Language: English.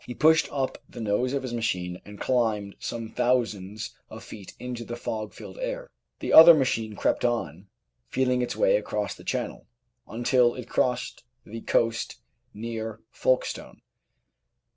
He pushed up the nose of his machine and climbed some thousands of feet into the fog filled air. The other machine crept on, feel ing its way across the Channel, until it crossed the coast near Folkestone.